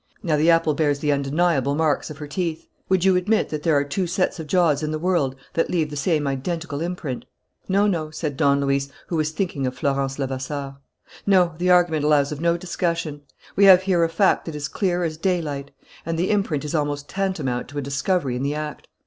Now the apple bears the undeniable marks of her teeth. Would you admit that there are two sets of jaws in the world that leave the same identical imprint?" "No, no," said Don Luis, who was thinking of Florence Levasseur. "No, the argument allows of no discussion. We have here a fact that is clear as daylight; and the imprint is almost tantamount to a discovery in the act.